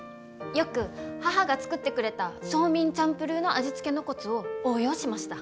よく母が作ってくれたソーミンチャンプルーの味付けのコツを応用しました。